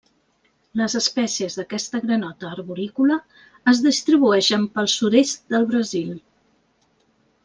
Les espècies d'aquesta granota arborícola es distribueixen pel sud-est del Brasil.